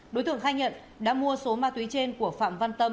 đối tượng khai nhận đã mua số ma túy trên của phạm văn tâm